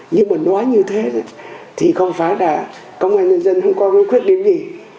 nhưng mà nói như thế thì không phải là công an nhân dân không có quyết định gì